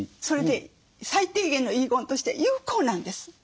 それで最低限の遺言として有効なんです。